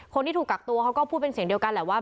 คนที่ถูกกักตัวเขาก็พูดเป็นเสียงเดียวกันแหละว่า